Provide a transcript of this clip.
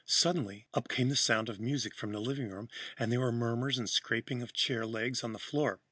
Suddenly, up came the sound of music from the living room and there were murmurs and the scraping of chair legs on the floor.